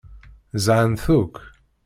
Zhant akk.